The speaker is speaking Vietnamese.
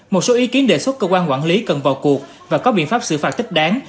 một số ý kiến đề xuất cơ quan quản lý cần vào cuộc và có biện pháp xử phạt tích đáng